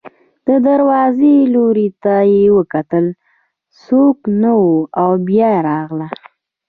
د دروازې لوري ته یې وکتل، څوک نه و او بیا راغله.